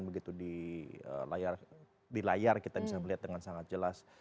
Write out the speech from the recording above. begitu di layar kita bisa melihat dengan sangat jelas